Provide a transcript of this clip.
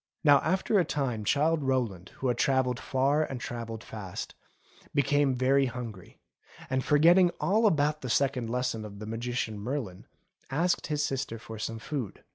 286 ENGLISH FAIRY TALES Now after a time Childe Rowland, who had travelled far and travelled fast, became very hungry, and forgetting all about the second lesson of the Magician Merlin, asked his sister for some food.